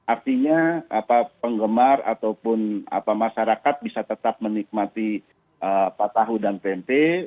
artinya penggemar ataupun masyarakat bisa tetap menikmati tahu dan tempe